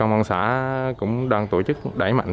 văn xã cũng đang tổ chức đẩy mạnh